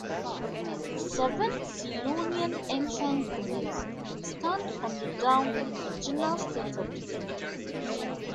Seven Scillonian entrance graves stand on the down in a general state of decay.